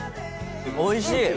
おいしい！